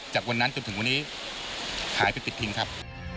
จากวันนี้จนถึงวันนี้หายเป็นปิดพิงครับ